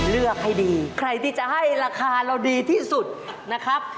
เลือกให้ดีใครที่จะให้ราคาเราดีที่สุดนะครับ